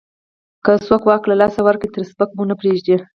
که څوک واک له لاسه ورکړي، ترې سپکه مو نه پرېږدو.